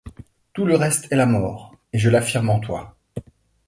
Tout le reste est la mort ; et je l’affirme en toi